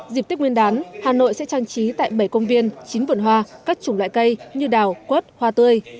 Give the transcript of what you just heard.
dịp tết nguyên đán hà nội sẽ trang trí tại bảy công viên chín vườn hoa các chủng loại cây như đào quất hoa tươi